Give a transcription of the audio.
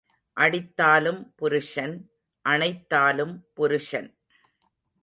அடித்தாலும் புருஷன், அணைத்தாலும் புருஷன்.